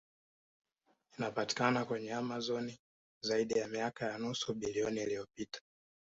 Inapatikana kwenye Amazon Zaidi ya miaka ya nusu bilioni iliyopita